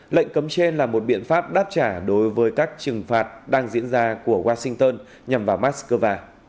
lệnh cấm trên là một biện pháp đáp trả đối với các trừng phạt đang diễn ra của washington nhằm vào moscow